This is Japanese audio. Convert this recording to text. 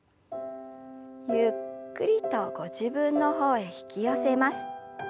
ゆっくりとご自分の方へ引き寄せます。